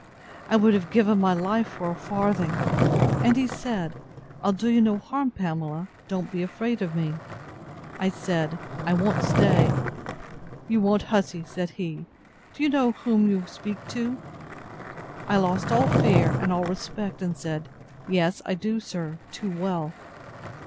I would have given my life for a farthing. And he said, I'll do you no harm, Pamela; don't be afraid of me. I said, I won't stay. You won't, hussy! said he: Do you know whom you speak to? I lost all fear, and all respect, and said, Yes, I do, sir, too well!